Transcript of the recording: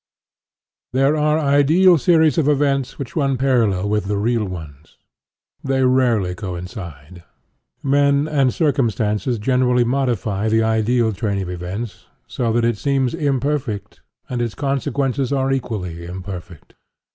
There are ideal series of events which run parallel with the real ones. They rarely coincide. Men and circumstances generally modify the ideal train of events, so that it seems imperfect, and its consequences are equally imperfect.